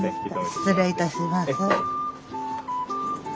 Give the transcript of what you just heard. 失礼いたします。